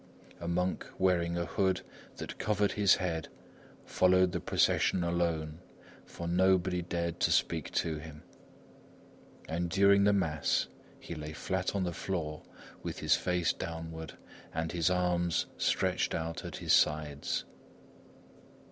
A monk wearing a hood that covered his head followed the procession alone, for nobody dared to speak to him. And during the mass, he lay flat on the floor with his face downward and his arms stretched out at his sides.